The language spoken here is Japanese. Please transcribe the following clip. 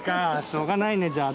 しょうがないねじゃあ。